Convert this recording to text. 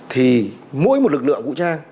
thì mỗi một lực lượng vũ trang